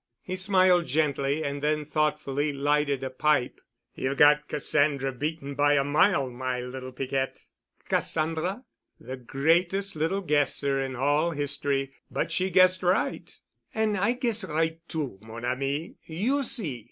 He smiled gently, and then thoughtfully lighted a pipe. "You've got Cassandra beaten by a mile, my little Piquette." "Cassandra?" "The greatest little guesser in all history. But she guessed right——" "An' I guess right too, mon ami. You see."